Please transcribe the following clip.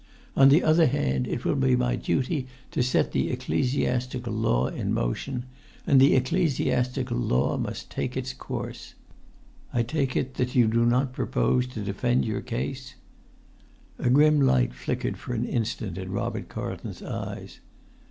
On the other hand, it will be my duty to set the ecclesiastical law in motion; and the ecclesiastical law must take its course. I take it that you do not propose to defend your case?" A grim light flickered for an instant in Robert Carlton's eyes.